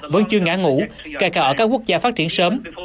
vẫn chưa ngã ngũ kể cả ở các quốc gia phát triển sớm